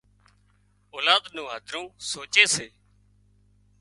اولاد نُون هڌرون سوچي سي